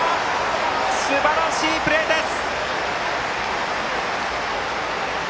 すばらしいプレーです！